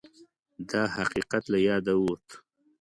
دا حقیقت له یاده ووت